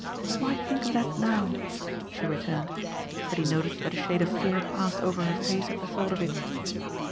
"Why think of that now?" she returned. But he noticed that a shade of fear passed over her face at the thought of it.